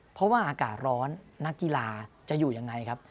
เพราะว่าอากาศร้อนนักกีฬาจะอยู่ยังไงครับ